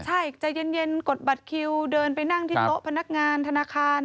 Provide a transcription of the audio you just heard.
ใช่ใจเย็นกดบัตรคิวเดินไปนั่งที่โต๊ะพนักงานธนาคาร